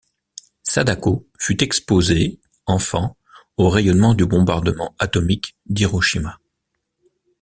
Sadako fut exposée, enfant, au rayonnement du bombardement atomique d'Hiroshima.